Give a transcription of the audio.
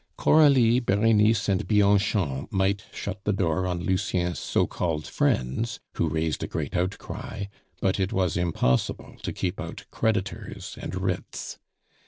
Coralie, Berenice, and Bianchon might shut the door on Lucien's so called friends, who raised a great outcry, but it was impossible to keep out creditors and writs.